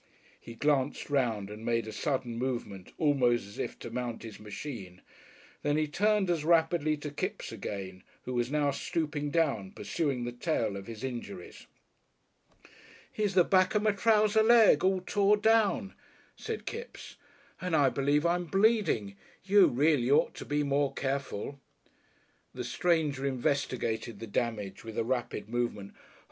He glanced round and made a sudden movement almost as if to mount his machine. Then he turned as rapidly to Kipps again, who was now stooping down, pursuing the tale of his injuries. "Here's the back of my trouser leg all tore down," said Kipps, "and I believe I'm bleeding. You reely ought to be more careful " The stranger investigated the damage with a rapid movement.